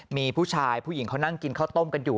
มีผู้ชายผู้หญิงเขานั่งกินข้าวต้มกันอยู่